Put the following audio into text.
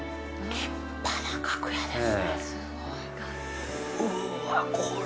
立派な楽屋ですね！